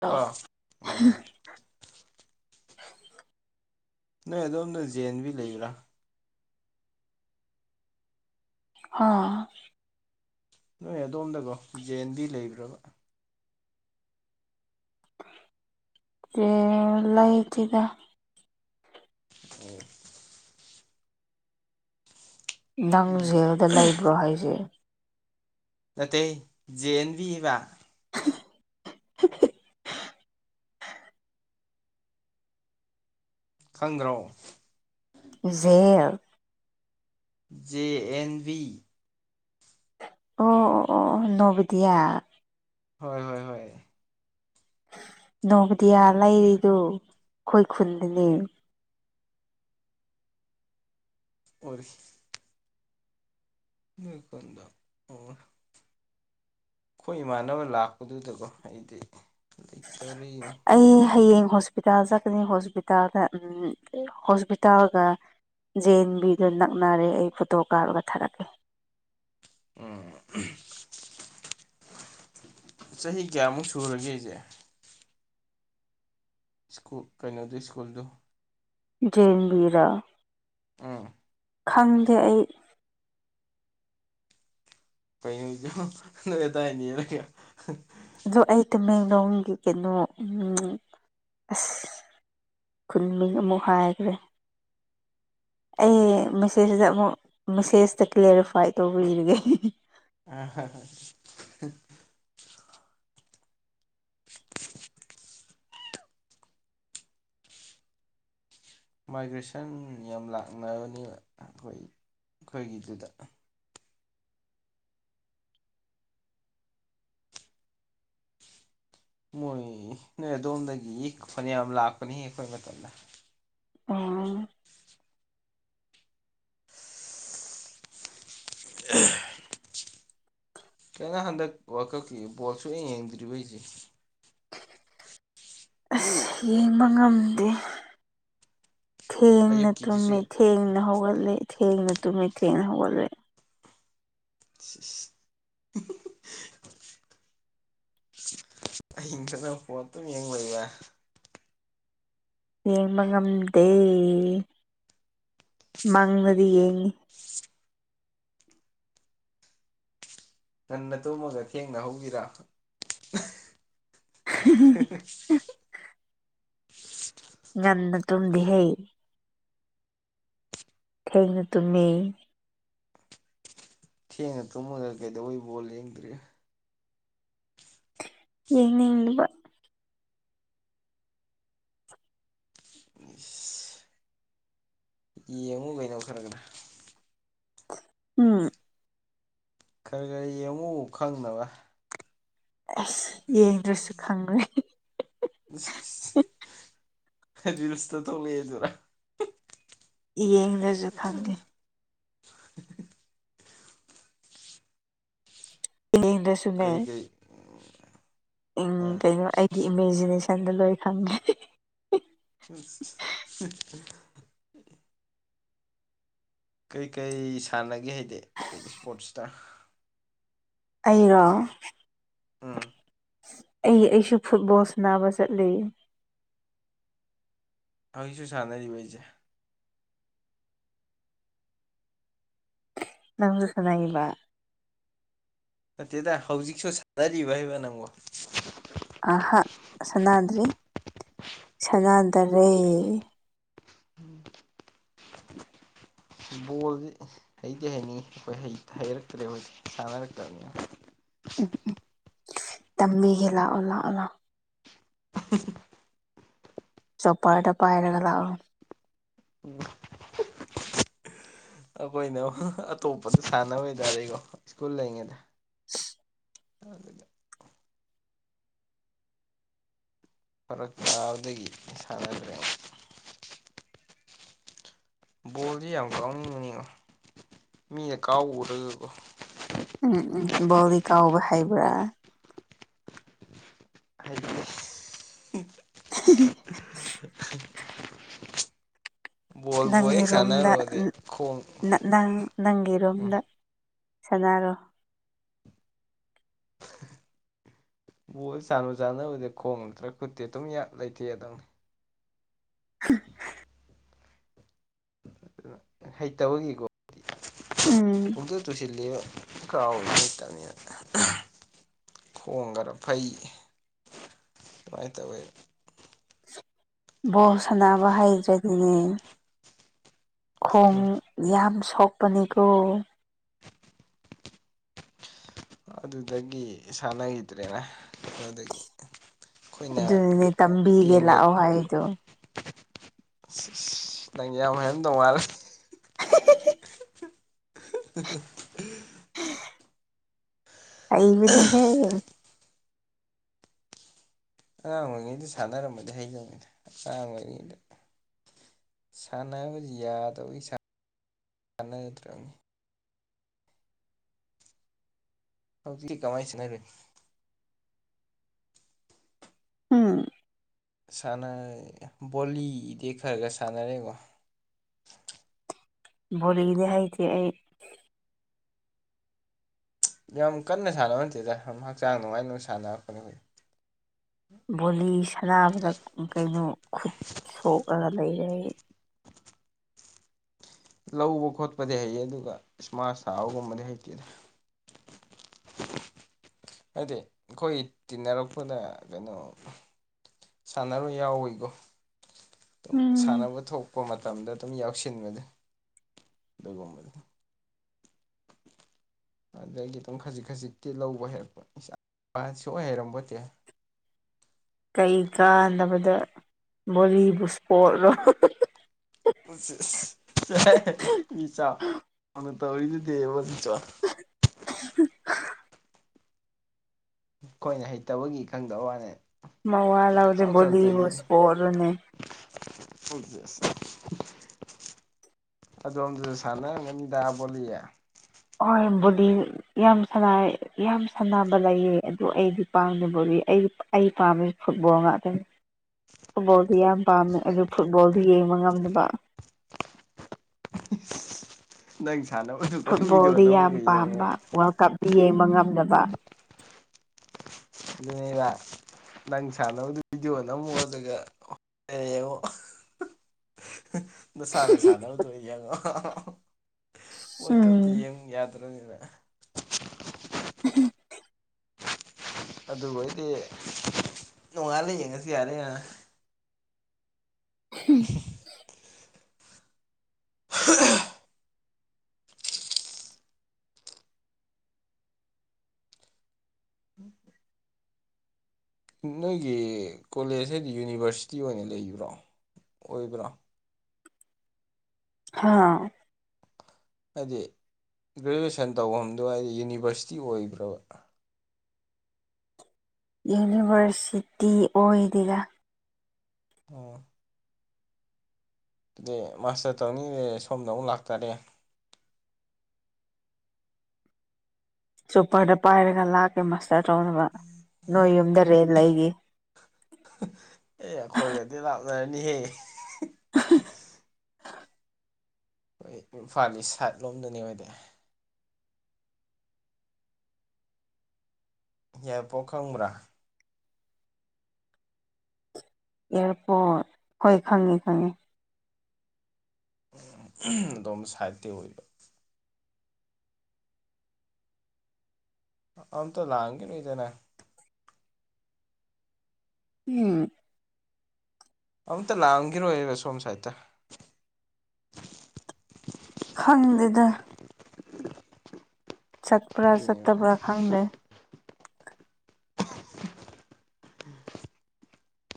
ꯑ ꯑꯥ ꯎꯝ ꯅꯣꯏ ꯑꯗꯣꯝꯗ ꯖꯦ ꯑꯦꯟꯕꯤ ꯂꯩꯕ꯭ꯔꯥ ꯍꯥ ꯅꯣꯏ ꯑꯗꯣꯝꯗ ꯀꯣ ꯖꯦ ꯑꯦꯟ ꯕꯤ ꯂꯩꯕ꯭ꯔꯥꯕ ꯖꯦ ꯂꯩꯇꯦꯗ ꯑꯣ ꯅꯪ ꯑꯩꯗꯤ ꯖꯦꯜꯗ ꯂꯩꯕ꯭ꯔꯣ ꯍꯥꯏꯁꯦ ꯅꯠꯇꯦ ꯍꯦ ꯖꯦ ꯑꯦꯟꯕꯤꯕ [unintelligible] ꯈꯪꯗ꯭ꯔꯣ ꯖꯦꯜ ꯖꯦ ꯑꯦꯟ ꯕꯤ ꯑꯣ ꯑꯣ ꯑꯣ ꯅꯣꯕꯤꯗꯤꯌꯥ ꯍꯣꯏ ꯍꯣꯏ ꯍꯣꯏ ꯅꯣꯕꯗꯤꯌꯥ ꯂꯩꯔꯤꯗꯨ ꯑꯈꯣꯏ ꯈꯨꯟꯗꯅꯦ ꯑꯣꯏ ꯅꯣꯏꯈꯨꯟꯗ ꯑꯣ ꯑꯩꯈꯣꯏ ꯏꯃꯥꯟꯅꯕ ꯂꯥꯛꯄꯗꯨꯗꯀꯣ ꯑꯩꯗꯤ ꯂꯩꯇꯧꯔꯤꯅꯤ ꯑꯩ ꯍꯌꯦꯡ ꯍꯣꯁ ꯄꯤꯇꯥꯜ ꯆꯠꯀꯅꯤ ꯍꯣꯁꯄꯤꯇꯥꯜꯗ ꯎꯝ ꯍꯣꯁꯄꯤꯇꯥꯜꯒ ꯖꯦ ꯑꯦꯟ ꯕꯤꯒ ꯅꯛꯅꯔꯦ ꯑꯩ ꯐꯣꯇꯣ ꯀꯥꯞꯔꯒ ꯊꯥꯔꯛꯀꯦ ꯎꯝ [inaudible] ꯆꯍꯤ ꯀꯌꯥꯃꯨꯛ ꯁꯨꯔꯒꯦꯁꯦ ꯁ꯭ꯀꯨ ꯀꯩꯅꯣꯗꯨ ꯁ꯭ꯀꯨꯜꯗꯣ ꯖꯦꯑꯦꯟꯕꯤꯔꯣ ꯎꯝ ꯈꯪꯗꯦ ꯑꯩ ꯀꯩꯅꯣ ꯅꯣꯏ ꯑꯗꯥꯏꯅꯤꯔꯒ ꯑꯗꯣ ꯑꯩ ꯇꯃꯦꯡꯂꯣꯡꯒꯤ ꯀꯩꯅꯣ ꯑꯁ ꯈꯨꯟꯃꯤ ꯑꯃꯨꯛ ꯍꯥꯏꯈ꯭ꯔꯦ ꯑꯩ ꯃꯦꯁꯦꯖꯇ ꯑꯃꯨꯛ ꯃꯦꯁꯦꯖꯇ ꯀ꯭ꯂ꯭ꯦꯔꯤꯐꯥꯏ ꯇꯧꯕꯤꯔꯒꯦ [unintelligible] [inaudible] ꯃꯥꯏꯒ꯭ꯔꯦꯁꯟ ꯌꯥꯝ ꯂꯥꯛꯅꯕꯅꯦꯕ ꯑꯩꯈꯣꯏ ꯑꯩꯈꯣꯏꯒꯤꯗꯨꯗ ꯃꯣꯏ ꯅꯣꯏ ꯑꯗꯣꯝꯗꯒꯤ ꯐꯅꯌꯥꯝ ꯂꯥꯛꯄꯅꯤ ꯑꯩꯈꯣꯏ ꯃꯇꯝꯗ ꯑꯣ ꯀꯩꯅ ꯍꯟꯗꯛ ꯋꯥꯜꯀꯛꯀꯤ ꯕꯣꯜ ꯁꯨꯡꯌꯦꯡ ꯌꯦꯡꯗ꯭ꯔꯤꯕ ꯍꯥꯏꯁꯦ ꯑꯁ ꯌꯦꯡꯕ ꯉꯝꯗꯦ ꯊꯦꯡꯅ ꯑꯌꯨꯛꯀꯤꯗꯨꯁꯨ ꯇꯨꯝꯃꯦ ꯊꯦꯡꯅ ꯍꯧꯒꯠꯂꯦ ꯊꯦꯡꯅ ꯇꯨꯝꯃꯦ ꯊꯦꯡꯅ ꯍꯧꯒꯠꯂꯦ ꯏꯁ ꯑꯍꯤꯡꯗꯅ ꯐꯣꯟꯇꯨꯝ ꯌꯦꯡ ꯂꯩꯕ ꯌꯦꯡꯕ ꯉꯝꯗꯦ ꯃꯪꯗꯗꯤ ꯌꯦꯡꯉꯤ ꯉꯟꯅ ꯇꯨꯝꯃꯒ ꯊꯦꯡꯅ ꯍꯧꯕꯤꯔ [unintelligible] ꯉꯟꯅ ꯇꯨꯝꯗꯦꯍꯦ ꯊꯦꯡꯅ ꯇꯨꯝꯃꯦ ꯊꯦꯡꯅ ꯇꯨꯝꯃꯒ ꯀꯩꯗꯧꯕꯩ ꯕꯣꯜ ꯌꯦꯡꯗ꯭ꯔꯤ ꯌꯦꯡꯅꯤꯡꯗꯕ ꯏꯁ ꯌꯦꯡꯉꯨ ꯀꯩꯅꯣ ꯈꯔꯈꯔ ꯎꯝ ꯈꯔꯈꯔ ꯌꯦꯡꯉꯨ ꯈꯪꯅꯕ ꯑꯁ ꯌꯦꯡꯗ꯭ꯔꯁꯨ ꯈꯪꯒ꯭ꯔꯦ ꯏꯁ ꯔꯤꯜꯁꯇ ꯊꯣꯛꯂꯛꯑꯦꯗꯨꯔꯥ ꯌꯦꯡꯗ꯭ꯔꯁꯨ ꯈꯪꯉꯤ ꯌꯦꯡꯗ꯭ꯔꯁꯨ ꯀꯩ ꯀꯩ ꯎꯝ ꯑꯥ ꯀꯩꯅꯣ ꯑꯩꯒꯤ ꯏꯃꯦꯖꯤꯅꯦꯁꯟꯗꯣ ꯂꯣꯏ ꯈꯪꯉꯦ [unintelligible] ꯀꯩꯀꯩ ꯁꯥꯟꯅꯒꯦ ꯍꯥꯏꯗꯤ ꯀꯩꯅꯣ ꯏꯁꯄꯣꯔꯠꯁꯇ ꯑꯩꯔꯣ ꯎꯝ ꯑꯩ ꯑꯩꯁꯨ ꯐꯨꯠꯕꯣꯜ ꯁꯅꯥꯕ ꯆꯠꯂꯦ ꯍꯧꯖꯤꯛꯁꯨ ꯁꯥꯟꯅꯔꯤꯕ ꯑꯩꯖꯦ ꯅꯪꯖꯨ ꯁꯅꯩꯏꯕ ꯅꯠꯇꯦꯗ ꯍꯧꯖꯤꯛꯁꯨ ꯁꯥꯟꯅꯔꯤꯕ ꯍꯥꯏꯕ ꯅꯪꯕꯣ ꯑꯍꯥ ꯁꯅꯥꯗ꯭ꯔꯤ ꯁꯅꯥꯗꯔꯦ [inaudible] ꯕꯣꯜꯗꯤ ꯍꯩꯗꯤ ꯍꯩꯅꯤ ꯑꯩꯈꯣꯏ ꯍꯩ ꯍꯩꯔꯛꯇ꯭ꯔꯦꯕ ꯍꯧꯖꯤꯛꯗꯤ ꯁꯥꯟꯅꯔꯛꯇꯝꯅꯤꯅ ꯎꯝ ꯎꯝ ꯇꯝꯕꯤꯒꯦ ꯂꯥꯛꯑꯣ ꯂꯥꯛꯑꯣ ꯂꯥꯎ [inaudible] ꯆꯣꯄꯔꯗꯣ ꯄꯥꯏꯔꯒ ꯂꯥꯛꯑꯣ ꯎꯝ ꯑꯈꯣꯏꯅ ꯑꯇꯣꯞꯄꯁꯨ ꯁꯥꯟꯅꯕ ꯍꯥꯏꯗꯥꯔꯦꯒꯣ ꯁ꯭ꯀꯨꯜ ꯂꯩꯉꯩꯗ ꯑꯗꯨꯒ ꯐꯔꯛ ꯇꯥꯕꯗꯒꯤ ꯁꯥꯟꯅꯗ꯭ꯔꯦ ꯕꯣꯜꯗꯤ ꯌꯥꯝ ꯀꯥꯎꯅꯤꯡꯕꯅꯤꯉꯣ ꯃꯤꯅ ꯀꯥꯎꯕ ꯎꯔꯒꯒꯣ ꯎꯝ ꯎꯝ ꯕꯣꯜꯗꯤ ꯀꯥꯎꯕ ꯍꯩꯕ꯭ꯔꯥ ꯍꯥꯏꯗꯤ ꯕꯣꯜꯕꯨ ꯍꯦꯛ ꯁꯥꯟꯅꯔꯨꯔꯗꯤ ꯈꯣꯡ ꯅ ꯅꯪ ꯅꯪꯒꯤ ꯎꯝ ꯔꯨꯝꯗ ꯁꯟꯅꯔꯣ ꯕꯣꯜꯖꯦ ꯁꯥꯟꯕꯨ ꯁꯥꯅꯧꯔꯗꯤ ꯈꯣꯡ ꯅꯠꯇ꯭ꯔ ꯈꯨꯠꯇꯤ ꯑꯗꯨꯝ ꯌꯥ ꯂꯩꯊꯦꯛꯑꯗꯧꯅꯤ [inaudible] ꯍꯩꯇꯕꯒꯤꯒꯣ ꯎꯝ ꯄꯨꯡꯇꯨ ꯇꯨꯁꯤꯜꯂꯤꯕ ꯀꯥꯎꯋ [unintelligible] ꯈꯣꯡ ꯈꯔ ꯐꯩ ꯗꯨꯃꯥꯏ ꯇꯧꯋꯦ ꯕꯣ ꯁꯥꯟꯅꯕ ꯍꯩꯗ꯭ꯔꯗꯤꯅꯦ ꯈꯣꯡ ꯌꯥꯝ ꯁꯣꯛꯄꯅꯤꯀꯣ ꯑꯗꯨꯗꯒꯤ ꯁꯥꯟꯅꯈꯤꯗ꯭ꯔꯦꯅ ꯀꯩꯅꯣꯗꯒꯤ ꯑꯩꯈꯣꯏꯅ ꯑꯗꯨꯅꯅꯦ ꯇꯝꯕꯤꯒꯦ ꯇꯦꯟꯒ ꯂꯥꯛꯑꯣ ꯍꯥꯏꯗꯣ ꯅꯪ ꯌꯥꯝ ꯍꯩꯔꯝꯗꯧ ꯃꯥꯜꯂꯦ [inaudible] [inaudible] [inaudible] ꯍꯩꯕꯅꯤꯍꯦ ꯑꯉꯥꯡ ꯑꯣꯏꯔꯤꯉꯩꯗ ꯁꯥꯟꯅꯔꯝꯃꯗꯤ ꯍꯩꯗꯧꯅꯤꯗ ꯑꯉꯥꯡ ꯑꯣꯏꯔꯤꯉꯩꯗ ꯁꯥꯟꯅꯕꯖꯨ ꯌꯥꯗꯕꯒꯤ ꯁꯥꯟꯅꯗ꯭ꯔꯅꯤ ꯍꯧꯖꯤꯛꯇꯤ ꯀꯃꯥꯏꯅ ꯁꯅꯔꯨꯅꯤ ꯎꯝ ꯁꯥꯟꯅ ꯕꯣꯂꯤꯗꯤ ꯈꯔ ꯈꯔ ꯁꯥꯟꯅꯔꯦꯒꯣ ꯕꯣꯂꯤꯒꯤꯗ ꯍꯩꯇꯦ ꯑꯩ ꯌꯥꯝ ꯀꯟꯅ ꯁꯥꯟꯅꯕ ꯅꯠꯇꯦꯗ ꯁꯨꯝ ꯍꯛꯆꯥꯡ ꯅꯨꯡꯉꯥꯏꯅꯕ ꯁꯥꯟꯅꯔꯛꯄꯅꯦ ꯈꯣꯏꯗꯤ ꯕꯣꯂꯤ ꯁꯅꯥꯕꯗ ꯀꯩꯅꯣ ꯈꯨꯠ ꯁꯣꯛꯔꯒ ꯂꯩꯔꯦ ꯂꯧꯕ ꯈꯣꯠꯄꯗꯤ ꯍꯩꯌꯦ ꯑꯗꯨꯒ ꯁꯃꯥꯁ ꯁꯥꯕ ꯒꯨꯝꯕꯗꯤ ꯍꯩꯇꯦꯗ ꯅꯠꯇꯦ ꯈꯣꯏ ꯇꯤꯟꯅꯔꯛꯄꯗ ꯀꯩꯅꯣ ꯁꯥꯟꯅꯔꯣꯏ ꯌꯥꯎꯋꯤꯀꯣ ꯎꯝ ꯁꯥꯟꯅꯕ ꯊꯣꯛꯄ ꯃꯇꯝ ꯃꯇꯝꯗꯥ ꯑꯗꯨꯝ ꯌꯥꯎꯁꯤꯟꯕꯗꯣ ꯑꯗꯨꯒꯨꯝꯕꯥ ꯑꯗꯒꯤ ꯑꯗꯨꯝ ꯈꯖꯤꯛ ꯈꯖꯤꯛꯇꯤ ꯂꯧꯕ ꯍꯩꯔꯛꯄꯥ ꯍꯥꯟꯅ ꯁꯨꯍꯩ ꯍꯩꯔꯝꯕꯣꯇꯦ ꯀꯩ ꯀꯥꯟꯗꯕꯥꯗ ꯕꯣꯜꯂꯤꯕꯨ ꯁꯄꯣꯠ ꯂꯣ [unintelligible] ꯕꯣꯜꯂꯤꯁꯨ [unintelligible] ꯈꯣꯏꯅ ꯍꯩꯇꯥꯕꯒꯤ ꯈꯪꯗꯕꯥ ꯋꯥꯅꯦ ꯃꯥꯋꯥ ꯂꯧꯗꯦ ꯆꯥꯎ ꯕꯣꯂꯤꯕꯨ ꯆꯥꯎꯇꯧꯔꯤꯗꯨꯗꯤ ꯏꯁꯄꯣꯔꯠ ꯔꯥꯅꯦ [unintelligible] ꯑꯗꯣꯝꯗꯥꯁꯨ ꯁꯥꯟꯅꯥꯔꯝꯒꯅꯤꯗꯥ ꯕꯣꯜꯂꯤ ꯍꯣꯏ ꯕꯣꯜꯂꯤꯗꯤ ꯌꯥꯝ ꯁꯥꯟꯅꯩ ꯌꯥꯝ ꯁꯥꯟꯅꯥꯕ ꯂꯩꯌꯦ ꯑꯗꯣ ꯑꯩꯗꯤ ꯄꯥꯝꯗꯦ ꯕꯣꯜꯂꯤ ꯑꯩꯗꯣ ꯑꯩ ꯄꯥꯝꯕꯥꯁꯦ ꯐꯨꯠꯕꯣꯜ ꯉꯥꯛꯇꯥꯅꯦ ꯐꯨꯠꯕꯣꯜꯗꯤ ꯌꯥꯝ ꯄꯥꯝꯃꯦ ꯑꯗꯨ ꯐꯨꯠꯕꯣꯜꯗꯤ ꯌꯦꯡꯕꯥ ꯉꯝꯗꯥꯕꯥ ꯅꯪ ꯁꯥꯟꯅꯥ ꯕꯥꯗꯨ ꯐꯨꯠꯕꯣꯜꯗꯤ ꯌꯥꯝ ꯄꯥꯝꯕ ꯋꯥꯔꯜ ꯀꯞꯇꯤ ꯌꯦꯡꯕꯥ ꯉꯝꯗꯕꯥ ꯑꯗꯨꯅꯦꯕꯥ ꯅꯪ ꯁꯥꯟꯅꯥꯕꯗꯣ ꯚꯤꯗꯤꯑꯣꯒꯥ ꯅꯝꯃꯣ ꯑꯗꯨꯒ ꯌꯦꯡꯉꯣ ꯅꯥꯁꯥꯅ ꯁꯥꯟꯅꯥꯕꯗꯣ ꯑꯗꯨ ꯑꯣꯏꯅꯥ ꯌꯦꯡꯉꯣ ꯋꯥꯜꯀꯞ ꯎꯝ ꯌꯦꯡ ꯌꯥꯗ꯭ꯔꯕꯅꯤꯅ [unintelligible] ꯑꯗꯨ ꯑꯣꯏꯗꯤ ꯅꯣꯡꯉꯥꯜꯂꯥ ꯌꯦꯡꯉꯥꯁꯨ ꯌꯥꯔꯦꯅꯥ [unintelligible] ꯅꯣꯏꯒꯤ ꯀꯣꯂꯦꯖꯁꯦ ꯌꯨꯅꯤꯚꯔꯁꯤꯇꯤ ꯑꯣꯏꯅ ꯂꯩꯕ꯭ꯔꯣ ꯑꯣꯏꯕꯔꯣ ꯍꯥꯥ ꯍꯥꯏꯗꯤ ꯒ꯭ꯔꯦꯖꯨꯑꯦꯁꯟ ꯇꯧꯐꯝꯗꯣ ꯍꯥꯏꯗꯤ ꯌꯨꯅꯤꯚꯔꯁꯤꯇꯤ ꯑꯣꯏꯕ꯭ꯔꯥꯕꯥ ꯌꯨꯅꯤꯚꯔꯁꯤꯇꯤ ꯑꯣꯏꯗꯦꯗꯥ ꯎꯝ ꯑꯗꯨꯗꯤ ꯃꯥꯁꯇꯔ ꯇꯧꯅꯤꯡꯔꯦ ꯁꯣꯝꯗꯥ ꯑꯃꯨꯛ ꯂꯥꯛꯇꯥꯔꯦ ꯆꯣꯄꯔꯗꯥ ꯄꯥꯏꯔꯒꯥ ꯂꯥꯛꯀꯦ ꯃꯥꯁꯇꯔ ꯇꯧꯅꯕ ꯅꯣꯏ ꯌꯨꯝꯗꯥ ꯔꯦꯟ ꯂꯩꯒꯦ ꯑꯦ ꯑꯈꯣꯏꯒꯥꯗꯤ ꯂꯥꯞꯅꯥꯔꯥꯅꯤ ꯍꯦ [unintelligible] ꯈꯣꯏ ꯏꯝꯐꯥꯜ ꯏꯁ ꯁꯥꯏꯠ ꯂꯣꯝꯗꯥꯅꯦꯕꯥ ꯍꯥꯏꯗꯤ ꯌꯥꯏꯄꯣꯛ ꯈꯪꯕ꯭ꯔꯥ ꯌꯥꯏꯔꯤꯄꯣꯛ ꯍꯣꯏ ꯈꯪꯉꯦ ꯈꯪꯉꯦ ꯑꯥꯗꯣꯝ ꯁꯥꯏꯇꯤ ꯑꯣꯏꯕ ꯑꯝꯇꯥ ꯂꯥꯛꯑꯝꯒꯤꯅꯤꯗꯥ ꯅꯣꯏ ꯎꯝ ꯑꯝꯇꯥ ꯂꯥꯛꯑꯝꯈꯤꯔꯣꯏꯕꯥ ꯁꯣꯝ ꯁꯥꯏꯇꯥ ꯈꯪꯗꯦꯗꯥ ꯆꯠꯄ꯭ꯔꯥ ꯑꯗꯨꯅꯦꯕ ꯆꯠꯇꯥꯕ꯭ꯔꯥ ꯈꯪꯗꯦ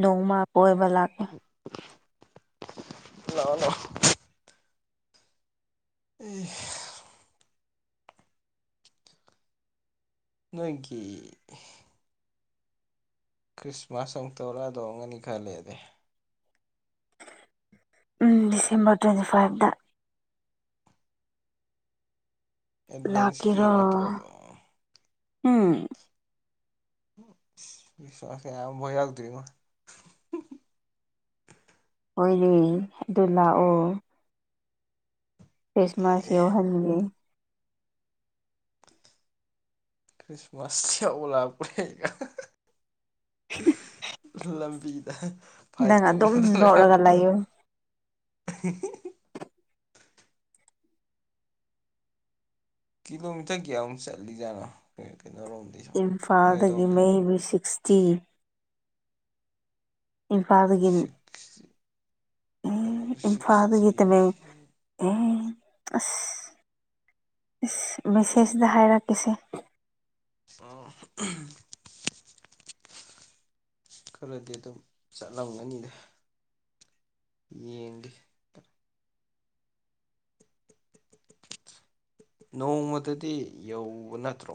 ꯅꯣꯡꯃꯥ ꯀꯣꯏꯕ ꯂꯥꯛꯀꯦ ꯂꯥꯛꯑꯣ ꯂꯥꯛꯑꯣ ꯏꯁ ꯅꯣꯏꯒꯤ ꯈ꯭ꯔꯤꯁꯃꯥꯁ ꯑꯃꯨꯛ ꯇꯧꯔꯛꯑꯥꯗꯣꯏ ꯑꯣꯏꯔꯝꯅꯤ ꯈꯔ ꯂꯩꯔꯗꯤ ꯎꯝ ꯗꯤꯁꯦꯝꯕꯔ ꯇ꯭ꯋꯦꯟꯇꯤ ꯐꯥꯏꯚ‌ ꯇꯥ ꯑꯦꯗꯚꯦꯟꯁꯀꯤ ꯂꯥꯛꯀꯦꯔꯣ ꯅꯠꯇ꯭ꯔꯣ ꯑꯗꯣ ꯑꯝ ꯈ꯭ꯔꯤꯁꯃꯥꯁꯀ ꯑꯝꯐꯥꯎ ꯌꯥꯎꯗ꯭ꯔꯤꯉꯣ ꯑꯣꯏꯔꯦ ꯑꯗꯨ ꯂꯥꯛꯑꯣ ꯈ꯭ꯔꯤꯁꯃꯥꯁ ꯌꯥꯎꯍꯟꯒꯦ ꯈ꯭ꯔꯤꯁꯃꯥꯁ ꯌꯥꯎꯕ ꯂꯥꯛꯄꯩ [unintelligible] ꯂꯝꯕꯤꯗ ꯐꯥꯏꯠ ꯅꯪ ꯑꯗꯨꯝ ꯇꯧꯅꯗꯅ ꯅꯣꯛꯑꯒ ꯂꯩꯌꯨ ꯀꯤꯂꯣꯃꯤꯇꯔ ꯀꯌꯥꯃꯨꯛ ꯆꯠꯂꯤ ꯖꯥꯠꯅꯣ ꯀꯩꯅꯣꯔꯣꯝ ꯏꯝꯐꯥꯜꯗꯒꯤ ꯃꯦꯕꯤ ꯁꯤꯛꯁꯇꯤ ꯏꯝꯐꯥꯜꯗꯒꯤ ꯑꯦ ꯀꯩꯅꯣꯗ ꯁꯤꯛꯁꯇꯤ ꯑꯝ ꯑꯁ ꯑꯁ ꯃꯦꯁꯦꯖꯗ ꯍꯥꯏꯔꯛꯀꯁꯦ ꯑꯝ ꯈꯔꯗꯤ ꯑꯗꯨꯝ ꯆꯠꯂꯝꯒꯅꯤꯗ ꯌꯦꯡꯒꯦ ꯅꯣꯡꯃꯗꯥꯗꯤ ꯌꯧꯕ ꯅꯠꯇ꯭ꯔꯣ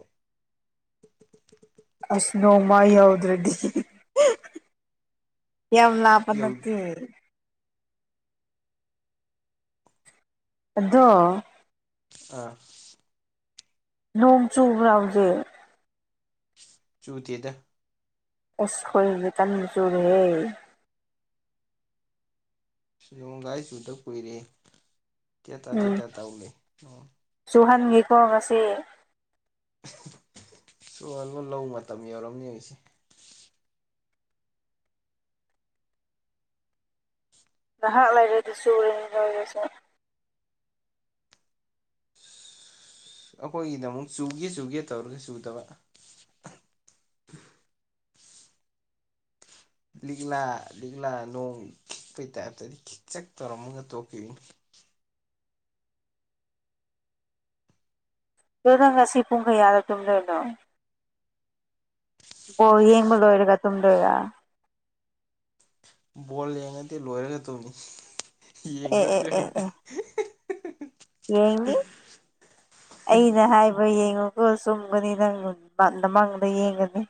ꯑꯁ ꯅꯣꯡꯃ ꯌꯧꯗ꯭ꯔꯗꯤ ꯌꯥꯝ ꯂꯥꯞꯄ ꯌꯧ ꯅꯠꯇꯦ ꯑꯗꯣ ꯑꯥ ꯅꯣꯡ ꯆꯨꯕ꯭ꯔꯥ ꯍꯧꯖꯤꯛ ꯆꯨꯗꯦꯗ ꯑꯁ ꯑꯈꯣꯏꯒꯤ ꯀꯟꯅ ꯆꯨꯔꯤ ꯍꯦ ꯅꯣꯡꯒꯥꯥꯏ ꯆꯨꯗ ꯀꯨꯏꯔꯦ ꯍꯦ ꯇꯦ ꯇꯥ ꯇꯦ ꯇꯥ ꯇꯧ ꯂꯩ ꯑꯣ ꯆꯨꯍꯟꯒꯦ ꯀꯣ ꯉꯁꯤ ꯆꯨꯍꯜꯂꯣ ꯂꯧ ꯃꯇꯝ ꯌꯧꯔꯝꯅꯤ ꯑꯩꯁꯤ ꯉꯥꯏꯍꯥꯛ ꯂꯩꯥꯏꯔꯗꯤ ꯆꯨꯔꯅꯤ ꯅꯣꯏꯒꯤꯁꯨ ꯑꯩꯈꯣꯏꯒꯤꯅ ꯑꯃꯨꯛ ꯆꯨꯒꯦ ꯆꯨꯒꯦ ꯇꯧꯔꯒ ꯆꯨꯗꯕ ꯂꯤꯛꯂꯥ ꯂꯤꯛꯂꯥ ꯅꯣꯡ ꯈꯤꯛꯄ ꯇꯥꯏꯞꯇꯗꯤ ꯈꯤꯛꯆꯛ ꯇꯧꯔꯝꯃꯒ ꯇꯣꯛꯈꯤꯅꯤ ꯑꯗꯨ ꯅꯪ ꯉꯁꯤ ꯄꯨꯡ ꯀꯌꯥꯗ ꯇꯨꯝꯗꫭꯏꯅꯣ ꯕꯣꯜ ꯌꯦꯡꯕ ꯂꯣꯏꯔꯒ ꯇꯨꯝꯗꯣꯏꯔ ꯕꯣꯜ ꯌꯦꯡꯉꯗꯤ ꯂꯣꯏꯔꯒ ꯇꯧꯝꯅꯤ ꯑꯦ ꯑꯦ ꯌꯦꯡꯗ꯭ꯔꯗꯤ ꯑꯦ ꯈꯪꯗꯦ ꯑꯦ ꯌꯦꯡꯅꯤ ꯑꯩꯅ ꯍꯥꯏꯕ ꯌꯦꯡꯉꯨꯀꯣ ꯆꯨꯝꯒꯅꯤ ꯅꯪ ꯃꯥꯡꯗ ꯌꯦꯡꯒꯅꯤ